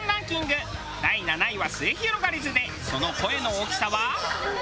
第７位はすゑひろがりずでその声の大きさは。